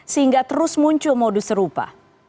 sehingga terus muncul modus serupa